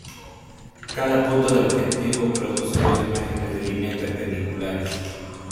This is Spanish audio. Cada punto del objeto produce dos imágenes de líneas perpendiculares.